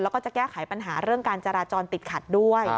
แล้วก็จะแก้ไขปัญหาเรื่องการจราจรติดขัดด้วย